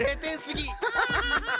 ハハハハ！